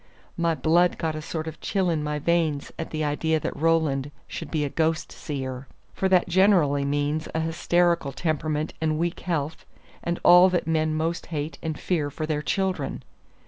My blood got a sort of chill in my veins at the idea that Roland should be a ghost seer; for that generally means a hysterical temperament and weak health, and all that men most hate and fear for their children.